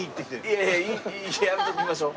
いやいややめておきましょう。